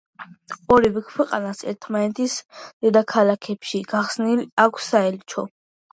ორივე ქვეყანას ერთმანეთის დედაქალაქებში გახსნილი აქვს საელჩო.